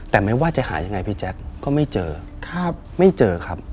แต่ไม่ว่าจะหายังไงพี่แจ๊คก็ไม่เจอ